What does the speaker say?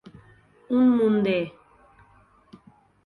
Un munt de.